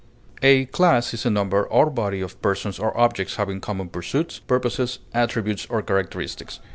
A class is a number or body of persons or objects having common pursuits, purposes, attributes, or characteristics.